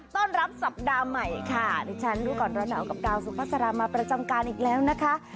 ต้อนรับสัปดาห์ใหม่ค่ะดิฉันรู้ก่อนร้อนหนาวกับดาวสุภาษามาประจำการอีกแล้วนะคะ